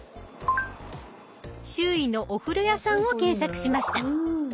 周囲のお風呂屋さんを検索しました。